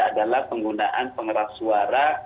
adalah penggunaan pengeras warga